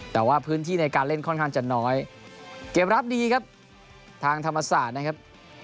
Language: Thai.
แต่ว่าพื้นที่ในการเล่นค่อนข้างจะน้อยเกมรับดีครับทางธรรมศาสตร์นะครับ